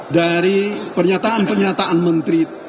dari pernyataan pernyataan menteri